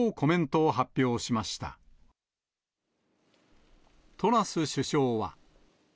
トラス首相は。